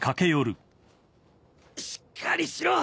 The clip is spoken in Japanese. しっかりしろ！